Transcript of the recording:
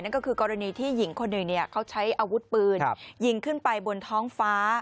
ก็คือกรณีที่หญิงคนหนึ่งเขาใช้อาวุธปืนยิงขึ้นไปบนท้องฟ้า